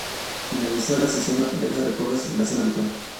Al finalizar la sesión, la pareja recobra su relación "habitual".